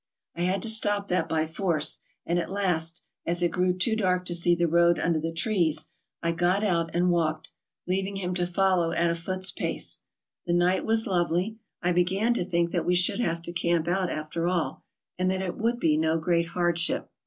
I had to stop that by force, and at last, as it grew too dark to see the road under the trees, I got out and walked, leaving him to follow at a foot's pace. The night was lovely. I began to think that we should have to camp out after all, and that it would be no great hardship.